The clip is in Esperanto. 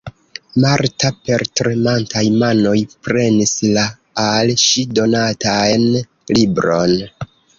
Marta per tremantaj manoj prenis la al ŝi donatan libron.